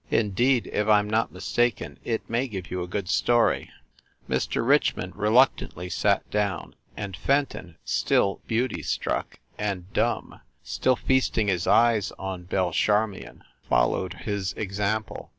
"Indeed, if I m not mistaken, it may give you a good story !" Mr. Richmond reluctantly sat down, and Fenton, still beauty struck, and dumb, still feasting his eyes on Belle Charmion, followed his example.